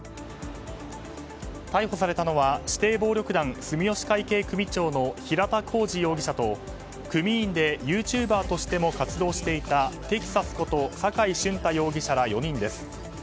逮捕されたのは指定暴力団住吉会系組長の平田浩二容疑者と組員としてユーチューバーとして活動をしていた敵刺こと坂井俊太容疑者ら４人です。